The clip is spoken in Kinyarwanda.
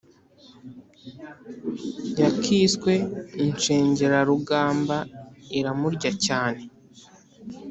Yakiswe Inshengerarugamba iramurya cyane